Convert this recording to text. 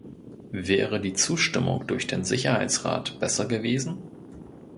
Wäre die Zustimmung durch den Sicherheitsrat besser gewesen?